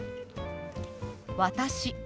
「私」。